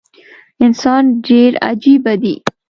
انسان ډیر عجیبه دي